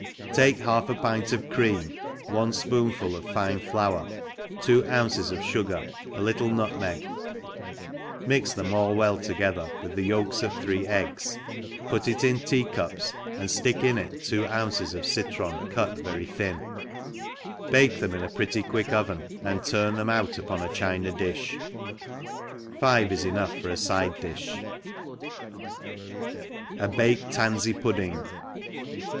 TAKE half a pint of cream, one fpoonful of fine flour, two ounces of fugar, a little nut meg, mix them all well together, with the yolks of three eggs, put it in tea cups, and (lick in it two ounces of citron cut very thin, bake them in a pretty quick oven, and turn them out upOA « China di(h. — Five is enough forafidedifii' A baked Tansey Pudding.